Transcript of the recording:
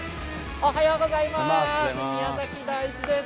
おはようございます。